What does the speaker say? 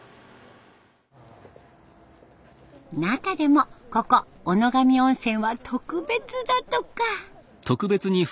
中でもここ小野上温泉は特別だとか。